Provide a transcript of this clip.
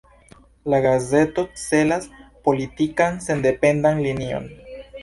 La gazeto celas politikan sendependan linion.